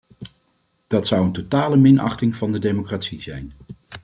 Dat zou een totale minachting van de democratie zijn.